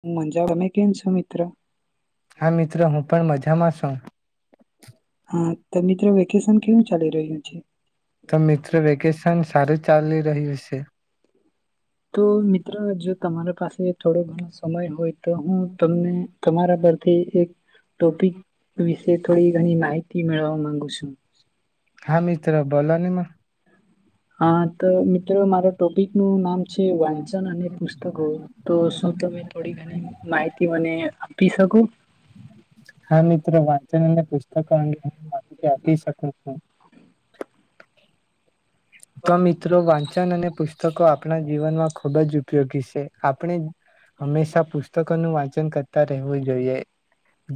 હું મંજા તમે કેમ છો, મિત્ર. હા મિત્ર હું પણ મજામાં છું હા તો મિત્ર વેકેશન કેવું ચાલી રહ્યું છે તો, મિત્ર વેકેશન સારું ચાલી રહ્યું છે. તો મિત્ર જો તમારા પાસે થોડો સમય હોય તો, હું તમને તમારા પરથી એક ટોપિક વિશે થોડી ઘણી માહિતી મેળવવા માંગુ છું. હા, મિત્ર બોલો ને હા, ત મિ ધ્રુ મારા ટોપિક નું નામ છે, વાંચન અને પુસ્તકો. તો, શું તમે થોડી ઘણી માહિતી મને આપી શકો? હા મિત્ર વાંચન અને પુસ્ તકો આ વિશે માહિતી આપી શકું છું. તો મિત્રો વાંચન અને પુસ્તકો આપણા જીવનમાં ખુબ જ ઉપયોગી છે. આપણે હંમેશા પુસ્તકોનું વાંચન કરતા રહેવું જોઈએ,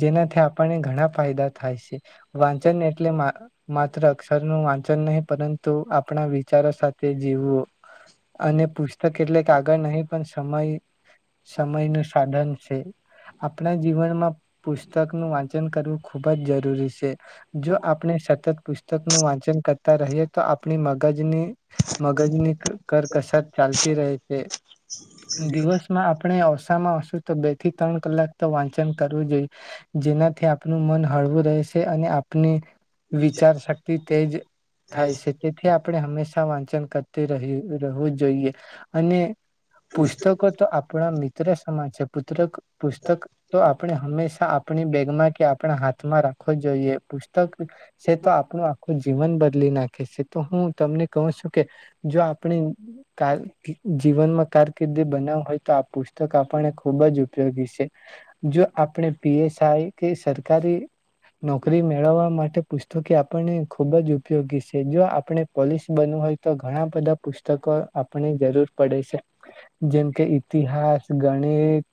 જેનાથી આપણને ઘણા ફાયદા થાય છે, વાંચન એટલે મા માત્ર અક્ષર નું વાંચન નહીં પરંતુ આ આપણા વિચારો સાથે જીવવું અને પુસ્તક એટલે કે કાગળ નહીં પણ સમય સમયનું સાધન છે. આપણા જીવનમાં પુસ્તકનું વાંચન કરવું ખૂબ જ જરૂરી છે, જો આપણે સતત પુસ્તકનું વાંચન કરતા રહીએ તો આપ ણી મગજની-મગજની કરકસત ચાલતી રહે છે દિવસમાં આપણે ઔસ માં હસુ તો બે થી ત્રણ કલાક તો વાંચન કરવું જોઈએ. જેનાથી આપનું મન હળવું રહેશે અને આપને વિચાર શક્તિ તેજ થાય છે. એટલે આપણે હંમેશા વાંચન કરતી રહીએ ર કેવું જ જોઈએ. અને પુસ્તકો તો આપણા મિ ત્રસ સમાન છે પુત્રક પુસ્તક તો આપણે હંમેશા આપણી બેગમાં કે આપણા હાથમાં રાખવો જોઈએ, પુસ્તક છે તો આપણું આખું જીવન બદલી નાખે છે. તો હું તમને કહું છું કે જો આપણે કા જીવનમાં કારકિર્દી બનાવ હોય તો આ પુસ્તક આપણને ખુબ જ ઉપયોગી છે, જો આપણે પી એસ આઈ કે સરકારી નોકરી મેળવવા માટે પુસ્તક આપણને ખુબ જ ઉપયોગી છે જો આપણ પણે પોલિસ બનવું હોય તો ઘણા બધા પુસ્તકો આપણે જરૂર પડે છે. જેમ કે ઇતિહાસ ગણિત,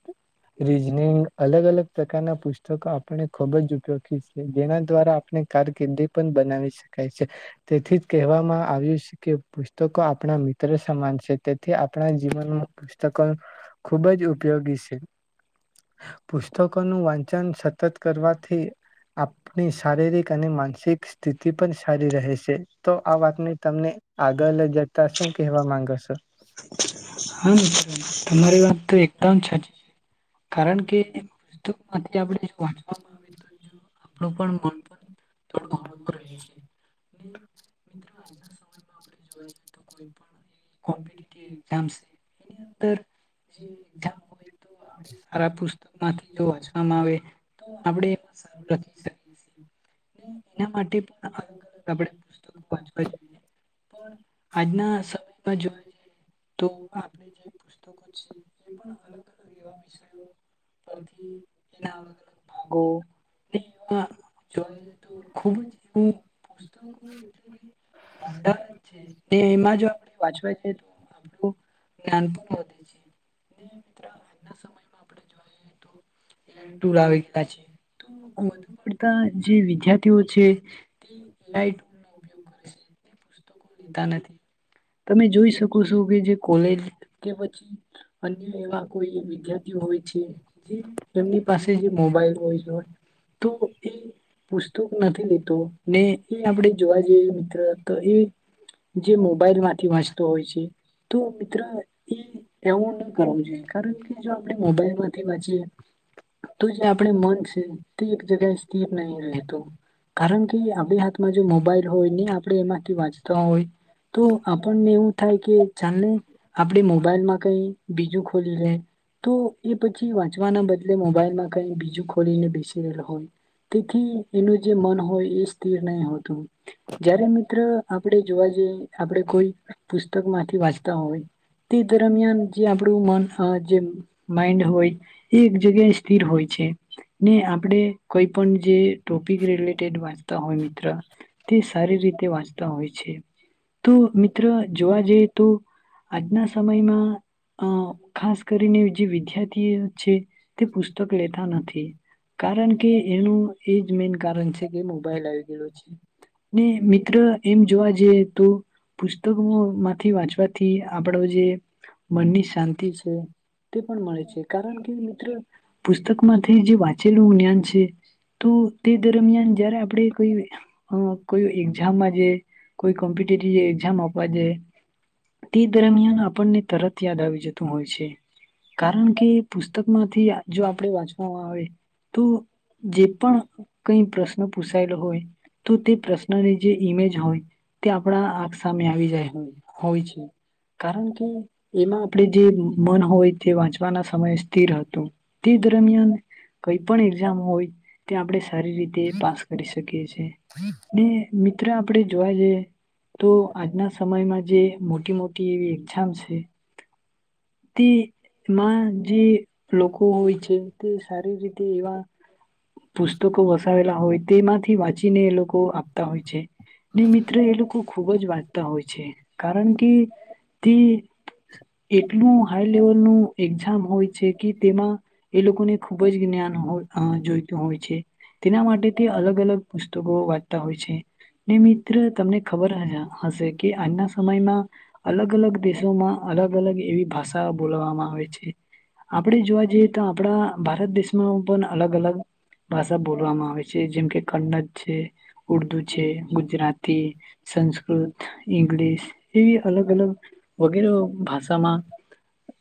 રીઝનિંગ અલગ અલગ પ્રકારના પુસ્તકો આપણે ખુબ જ ઉપયોગી છે, જેના દ્વારા આપણે કારકિર્દી પણ બનાવી શકાય છે તેથી કહેવામાં આવ્યું છે કે પુસ્તકો આપણા મિ ત્ર સમાન છે તેથી આપણા જીવનમાં પુસ્તકો ખુબ જ ઉપયોગી છે. પુસ્તકોનું વાંચન સતત કરવાથી આપણી શારીરિક અને માનસિક સ્થિતિ પણ સારી રહે છે. તો આ વાતને તમને આગલ જતાં. શું કહેવા માંગસો? હા છે તમારી વાત તો એકદમ સાચી. કારણ કે પુસ્તમાંથી આપણે વાંચવામાં આવે તો જો આપણું પણ મન પણ થોડું હળવું રહે છે. [unintelligible] તે કોપીટીટીવ એક્ઝામસ હે એની અંદર જે એક્ઝામ હોય તો આપડે સા રા પુસ્તક માંથી જો વાંચવામાં આવે તો આપણે એમાં સારું લખી શકીએ સીએ. એના માટે પણ અલગ અલગ આપણે પુસ્તકો વાંચવા જોઈએ. પણ આજના સમયમાં જોવા જઈએ તો આપણે જે પુસ્તકો છે તે પણ અલગ અલગ એવા વિષય પરથી એના અલગ અલગ ભાગો ને એવા જોવા જઈએ તો ખુબ જ એવી પુસ્તકો [inaudible] બાયડર જ છે તે એમાં જો આપણે વાંચવા જઈએ તો આપણું જ્ઞાન પણ વધે છે. તે મિત્ર આજના સમય પેલાના ટુલ આવી ગયા છે તો વધુ પડતા જે વિદ્યાર્થીઓ છે તે રાઇટ ટુલ નો ઉપયોગ લેતા નથી તમે જોઈ શકો છો કે જે કોલેજ કે પછી અન્ય એવા કોઈ વિદ્યાર્થી હોય છે જે એમની પાસે જે મોબાઈલ હોય છે તો એ પુસ્તક નથી લેતો ને એ આપણે જોવા જઈએ મિત્ર તો એ જે મોબાઈલ માંથી વાંચતો હોય છે તો મિત્ર એ એવું ન કરવું જોઈએ કારણ કે જો આપણે મોબાઈલ માંથી વાંચીએ તો જે આપણે મન છે તે એક જગ્યાએ સ્થિર નહી રહેતું કારણ કે આપણે હાથમાં જો મોબાઈલ હોય ને આપણે એમાંથી વાંચ તા હોય તો આપણને એવું થાય કે ચાલને આપણે મોબાઈલમાં કઈ બીજું ખોલી લે તો એ પછી વાંચવાના બદલે મોબાઈલમાં કઈ બીજું ખોલીને બેસી રહેલ હોય તેથી એનું જે મન હોય એ સ્થિર નહી હોતું. જ્યારે મિત્ર આપડે જોવા જઈ આપડે કોઈ પુસ્તક માંથી વાંચ તો હોય. તે દરમિયાન જે આપ ડું મન હ જેમ માઈન્ડ હોય. એ એક જગ્યાએ સ્થિર હોય છે, ને આપણે કોઈ પણ જે ટોપિક રિલેટેડ વાંચતા હોય મિત્ર. તે સારી રીતે વાંચ તા હોય છે. તો મિત્ર જોવા જઈએ તો આજના સમયમાં અ ખાસ કરીને જે વિદ્યાર્થીઓ છે તે પુસ્તક લેતા નથી કારણ કે એનું એજ મેન કારણ છે કે મોબાઈલ આવી ગયેલો છે, ને મિત્ર એમ જોવા જઈએ તો. પુસ્તકો માંથી વાંચવાથી આપણો જે મનની શાંતિ છે તે પણ મળે છે, કારણ કે મિત્ર પુસ્તક માંથી જે વાંચેલું જ્ઞાન છે તો તે દરમિયાન જયારે આપણે કોઈ હ કોઈ એક્જામમાં જે. કોઈ કોમ્પિટિટિવ એક જામ આપવા જઈએ તે દરમિયાન આપણને તરત યાદ આવી જતું હોય છે. કારણ કે પુસ્તકમાંથી જો આપણે વાંચવામાં આવે તો જે પણ કઈ પ્રશ્ન પૂસાયેલો હોય તો તે પ્રશ્નની જે ઈમેજ હોય. તે આપણા આંખ સામે આવી જાય હોય છે. કારણ કે એમાં આપણે જે મન હોય તે વાંચવાના સમયે સ્થિર હતું. તે દરમિયાન કઈ પણ એક્ઝામ હોય તે આપણે સારી રીતે પાસ કરી શકીએ છીએ ને મિત્ર જોવા જઇયે તો આજના સમયમાં જે મોટી મોટી એવી [unintelligible] છે. તેમાં જે લોકો હા હોય છે તે સારી રીતે એવા પુસ્તકો વસાવેલા હોય તેમાંથી વાંચી એને એ લોકો આપતા હોય છે. ને મિત્ર એ લોકો ખુબ જ વાંચતા હોય છે કારણ કે તે એટલું હાઈ લેવલનું એક્ઝામ હોય છે કે તેમાં એ લોકોને ખુબ જ જ્ઞાન હોય જોઈતું હોય છે, તેના માટે તે અલગ અલગ પુસ્તકો વાંચતા હોય છે. ને મિત્ર તમને ખબર હહે હશે કે આજના સમયમાં અલગ-અલગ દેશોમાં અલગ-અલગ એવી ભાષા બોલવામાં આવે છે. આપણે જોવા જઈએ તો આપણા ભારત દેશમાં પણ અલગ-અલગ ભાષા બોલવામાં આવે છે. છે જેમ કે કન્નડ છે, ઉર્દુ છે ગુજરાતી, સંસ્કૃત, ઇંગ્લિશ એવી અલગ-અલગ. વગેરે ઓ ભાષામાં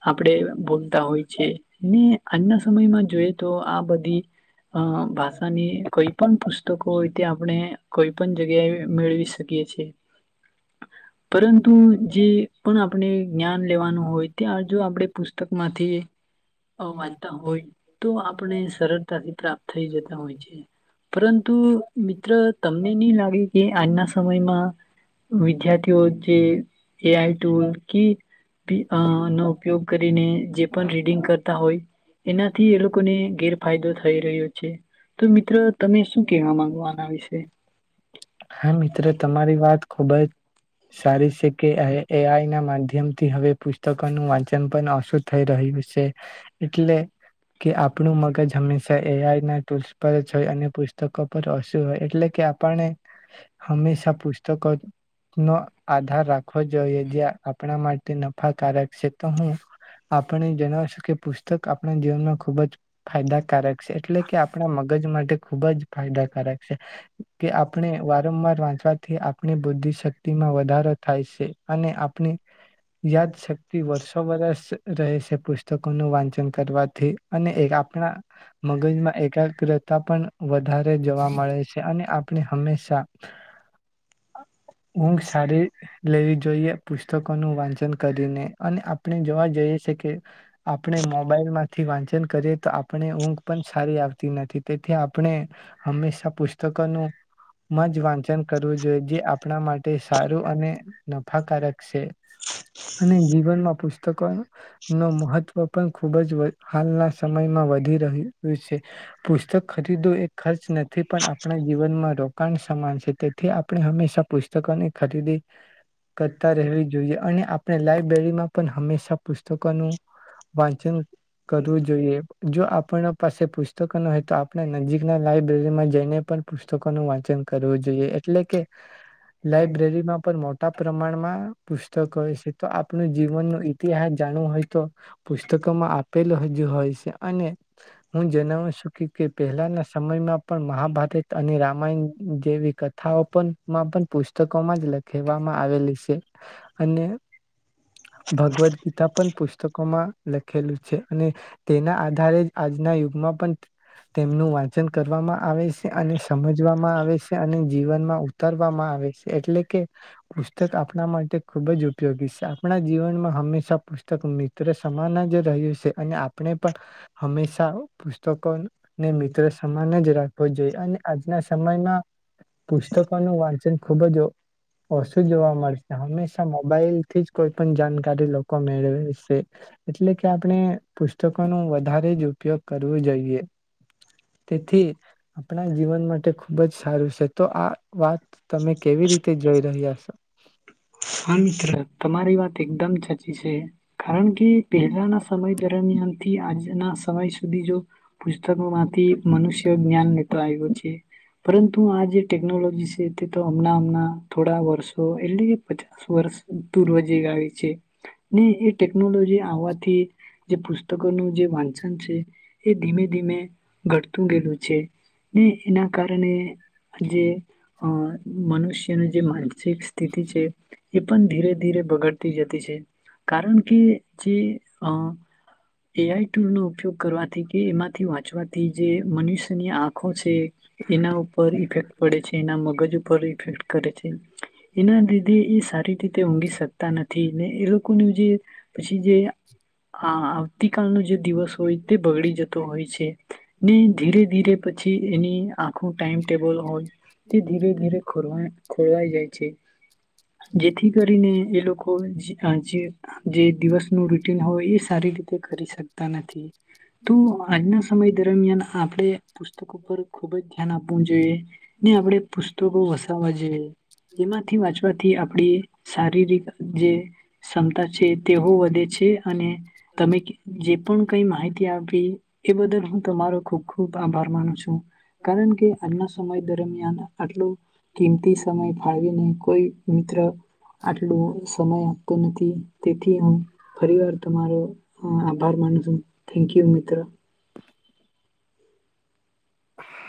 આપણેે બોલતા હોય છે, ને આજના સમયમાં જોઈએ તો આ બધી અં ભાષાની કઈ પણ પુસ્તકો હોય તે આપણે કોઈ પણ જગ્યાએ મેળવી શકીએ છે, પરંતુ જે પણ આપણે જ્ઞાન લેવાનું હોય ત્યાં જો આપણે પુસ્તકમાંથી અ વાંચતા હોય તો આપણે સરળતાથી પ્રાપ્ત થઈ જતા હોય છે, પરંતુ મિત્ર તમને નહીં લાગ કે આજના સમયમાં વિદ્યાર્થીઓ જે એ આઈ ટુલ કે નો ઉપયોગ કરીને જે પણ રીડિંગ કરતા હોય એનાથી એ લોકોને ગેરફાયદો થઈ રહ્યો છે, તો મિત્ર તમે શું કેહવા માંગો આના વિશે? હા મિત્ર, તમારી વાત ખુબ જ સારી છે કે એ આઈ ના માધ્યમ થી હવે પુસ્તકોનું વાંચન પણ ઓછું થઈ રહ્યું છે એટલે, કે આપણું મગજ હંમેશા એ આઈ ના ટૂલ્સ પર જ હોય અને પુસ્તકો પર ઓશુ હોય, એટલે કે આપણને હંમેશા પુસ્તકો જ નો આધાર રાખવો જ જોઈએ, જે આપણા માટે નફાકારક છે, તો હું આપને જણાવશું કે પુસ્તક આપણા જીવનમાં ખુબ જ ફાયદાકારક છે એટલે કે આપણા મગ મગજ માટે ખુબ જ ફાયદાકારક છે. કે આપણે વા વારંવાર વાંચવાથી આપણી બુદ્ધિશક્તિમાં વધારો થાય છે, અને આપણી યાદશક્તિ વર્ષો વરસ રહે છે પુસ્તકોનું વાંચન કરવાથી. અને એક આપણા મગજમાં એકાગ્ર તા પણ વધારે જોવા મળે છે અને આપણે હંમેશા હુંઘ સારી લેવી જોઈએ પુસ્તકોનું વાંચન કરીને અને આપણે જોવા જઈએ છે કે આપણે મોબાઈલમાંથી વાંચન કરીએ તો આપણે ઊંઘ પણ સારી આવતી નથી, તેથી આપણે હંમેશા પુસ્તકોનું માજ વાંચન કર વું જોઈએ જે આપણા માટે સારું અને નફાકારક છે અને જીવનમાં પુસ્ત તો કોન? નો મહત્વ પણ ખુબ જ વ હાલના સમયમાં વધી રહ્યું છે. પુસ્તક ખરીદો એ ખર્ચ નથી પણ આપણા જીવનમાં રો રોકાણ સમાન છે તેથી આપણે હંમેશા પુસ્તકોની ખરીદી કરતા રહેવી જોઈએ અને આ આપણે લાઇબ્રેરીમાં પણ હંમેશાં પુસ્તકોનું વાંચન કરવું જોઈએ જો આપણા પાસે પ પુસ્તકો ન હોય તો આપણા નજીકના લાાયબ્રેરીમાં જઈને પણ પુસ્તકોનું વાંચન કરવું જોઈએ એટલે કે લાયબ્રેરી માં પણ મોટ મોટા પ્રમાણમાં પુસ્તક હોય છે તો આપણું જીવન ન એ જાણુ હોય તો પુસ્તકોમાં આપેલો હોય જે હોય છે અને હું જણાવ છું કે કે પહેલાના સમયમાં પણ મહાભારત અને રામાયણ જેવી કથાઓ પુસ્તકોમાં લખેવામાં આવેલી છે અને ભગવદ્ ગીતા પણ પુષ તકમાં લખેલું છે અને તેના આધારે જ આજના યુગમાં પણ તેમનું વાંચન કરવામાં આવે છે અને સમજવામાં આવે છે અને જીવનમાં ઉતારવામાં આવે છે એટલે કે પુસ્તક આપણા માટે ખુબ જ ઉપયોગી છે આપણા જીવનમાં હંમેશા પુસ્તક મિત્ર સમાન જ રહ્યું છે અને આપણે પણ હંમેશા પુસ્તકોને મિત્ર સમાન જ રાખ [unintelligible] અને આજના સમયમાં પુસ્તકો નું વાચન ખૂબ જ ઓસુ જોવા મળશે હંમેશા મોબાઈલ થી જ કોઈ પણ જાણકારી લોકો મેળવેશે. એટલે કે આપણે પુસ્તકોનું વધારે જો [inaudible] કરવું જોઈએ તેથી આપણા જીવન માટે ખૂબ જ સારું સે તો આ વાત તમે કેવી રીતે જોઈ રહ્યા સો હ મિત્ર તમારી વાત એકદમ સાચી સે કારણ કે પહેલાના સમય દરમિયાન થી આજના સમય સુધી જો પુસ્તકો માંથી મનુષ્ય જ્ઞાન લેતો આવ્યો છે. પરંતુ આજે ટેકનોલોજી સે તે તો હમણાં હમણાં થોડા વર્ષો એટલે પચાસ વર્ષ [unintelligible] રોજે આવે છે ને એ ટેકનોલોજી આવવાથી જે પુસ્તકોનું જે વાંચન છે એ ધીમે ધીમે ઘટતું રેલું છે. ને એના કારણે જે અ મનુષ્યનું જે માન સિક સ્થિતિ છે એ પણ ધીરે ધીરે બગડતી જતી છે. કારણ કે જે અ એ આઈ ટુલ ન ઉપયોગ કરવાથી કે એમાંથી વાંચવાથી જે મનુષ્યની આંખો છે એ એના ઉપર ઇફેક્ટ પડે છે એના મગજ ઉપર ઈફેક્ટ કરે છે. એના દી એ સારી રીતે ઊઘી શકતા નથી. થી ને એ લોકોનું જે પછી જે હા આવતીકાલનું જે દિવસ. તો એ તે બગડી જતો હોય છે. ને ધીરે ધીરે પછી એની આ આખું ટાઈમ ટેબલ હોય. તે ધીરે ધીરે ખોરવાય. ખોરવાઈ જાય છે. જેથી કરીને એ લોકોજે જે દિવસનું રૂટીન હોય એ સારી રીતે કરી શકતા નથી. તો આજના સમય દરમિયાન આપણે પુસ્તકો પર ખુબ જ ધ્યાન આપવું જોઈએ. ને આપણે પુસ્તકો વસાવવા જોઈએ એમાંથી વાંચ થી આપડી શારીરિક જે ક્ષમતા છે. તેઓ વધે છે અને તમે જે પણ કઈ માહિતી [unintelligible] એ બદલ હું તમારો ખુબ ખુબ ખૂબ આભાર માનું છું. કારણ કે આજના સમય દરમિયાન આટલો કિંમતી સમય ફાળવ્યો અને કોઈ મિત્ર આટલું સમય તો નથી તેથી હું ફરી વાર તમારો આભાર માનું છું થેન્ક યુ મિત્ર. હ